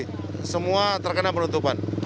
jadi semua terkena penutupan